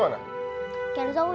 bakal kamuivities pengen kok yuk